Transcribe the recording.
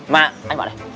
mà anh bảo này